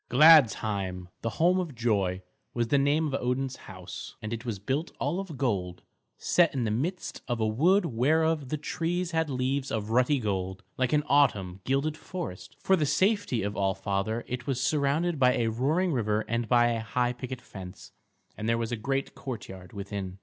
Gladsheim, the home of joy, was the name of Odin's house, and it was built all of gold, set in the midst of a wood whereof the trees had leaves of ruddy gold like an autumn gilded forest. For the safety of All Father it was surrounded by a roaring river and by a high picket fence; and there was a great courtyard within.